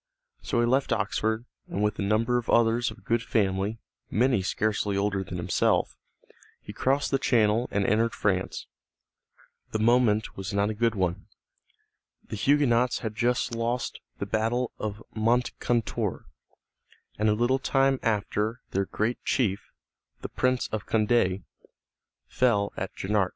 So he left Oxford, and with a number of others of good family, many scarcely older than himself, he crossed the Channel and entered France. The moment was not a good one. The Huguenots had just lost the battle of Moncontour, and a little time after their great chief, the Prince of Condé, fell at Jarnac.